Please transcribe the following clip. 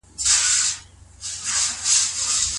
کله چي حقوق پايمال سي هغوی فساد ته مخه کوي.